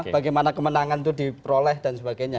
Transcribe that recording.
bagaimana kemenangan itu diperoleh dan sebagainya